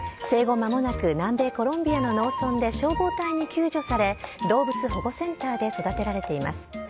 生後まもなく南米コロンビアの農村で消防隊に救助され、動物保護センターで育てられています。